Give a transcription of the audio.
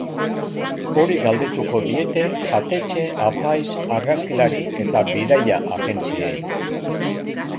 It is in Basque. Hori galdetuko diete jatetxe, apaiz, argazkilari eta bidaia ajentziei.